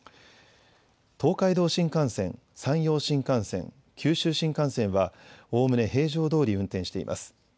東海道新幹線、山陽新幹線、九州新幹線は、おおむね平常どおり運転しています。